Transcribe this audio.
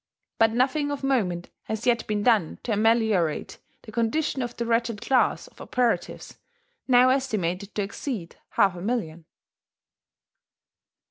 But nothing of moment has yet been done to ameliorate the condition of the wretched class of operatives, now estimated to exceed half a million.